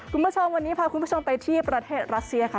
คุณผู้ชมวันนี้พาคุณผู้ชมไปที่ประเทศรัสเซียค่ะ